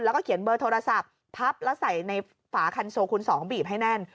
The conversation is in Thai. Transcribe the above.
แล้วก็เขียนเบอร์โทรศัพท์พับแล้วใส่ในฝาคันโซคูณ๒บีบให้แน่น